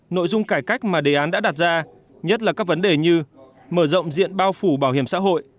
nội dung cải cách mà đề án đã đặt ra nhất là các vấn đề như mở rộng diện bao phủ bảo hiểm xã hội